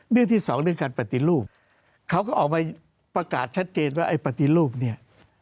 เรื่องที่สองเรื่องการปฏิรูปเขาก็ออกมาประกาศชัดเจนว่าไอ้ปฏิรูปเนี่ย